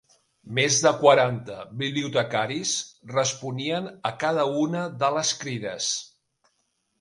Més de quaranta bibliotecaris responien a cada una de les crides.